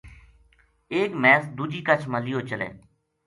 ایک مھیس دوجی کچھ ما لِیو چلے